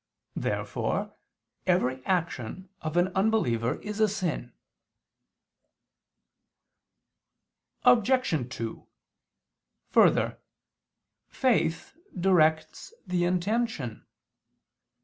Therefore every action of an unbeliever is a sin. Obj. 2: Further, faith directs the intention.